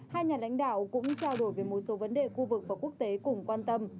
hai nhà lãnh đạo cũng trao đổi về một số vấn đề khu vực và quốc tế cùng quan tâm